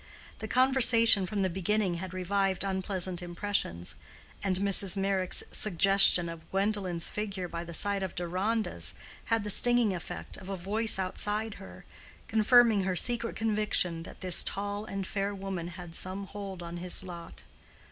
The conversation from the beginning had revived unpleasant impressions, and Mrs. Meyrick's suggestion of Gwendolen's figure by the side of Deronda's had the stinging effect of a voice outside her, confirming her secret conviction that this tall and fair woman had some hold on his lot.